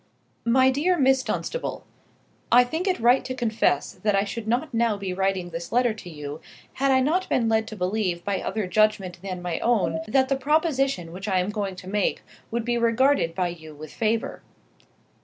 MY DEAR MISS DUNSTABLE, I think it right to confess that I should not be now writing this letter to you, had I not been led to believe by other judgment than my own that the proposition which I am going to make would be regarded by you with favour.